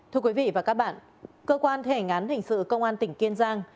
thưa quý vị và các bạn cơ quan thể ngán hình sự công an tỉnh kiên giang